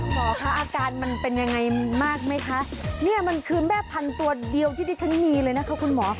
หมอคะอาการมันเป็นยังไงมากไหมคะเนี่ยมันคือแม่พันธุ์ตัวเดียวที่ที่ฉันมีเลยนะคะคุณหมอ